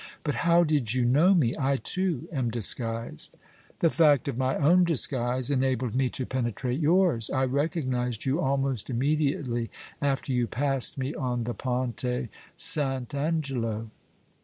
But how did you know me? I too, am disguised." "The fact of my own disguise enabled me to penetrate yours. I recognized you almost immediately after you passed me on the Ponte St. Angelo."